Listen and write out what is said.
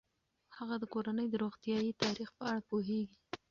هغه د کورنۍ د روغتیايي تاریخ په اړه پوهیږي.